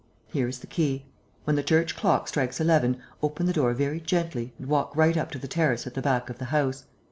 Here is the key. When the church clock strikes eleven, open the door very gently and walk right up to the terrace at the back of the house.